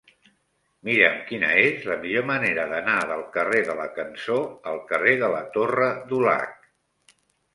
Mira'm quina és la millor manera d'anar del carrer de la Cançó al carrer de la Torre Dulac.